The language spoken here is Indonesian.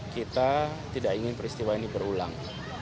kita tidak ingin peristiwa ini berulang